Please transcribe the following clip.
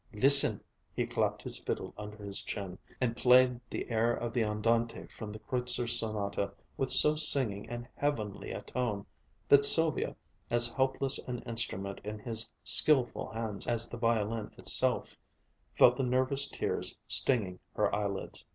"Listen!" He clapped his fiddle under his chin and played the air of the andante from the Kreutzer Sonata with so singing and heavenly a tone that Sylvia, as helpless an instrument in his skilful hands as the violin itself, felt the nervous tears stinging her eyelids.